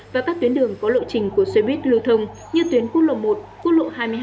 và các tuyến đường có lộ trình của xe buýt lưu thông như tuyến quốc lộ một quốc lộ hai mươi hai